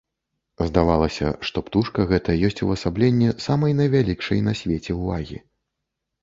Здавалася, што птушка гэта ёсць увасабленне самай найвялікшай на свеце ўвагі.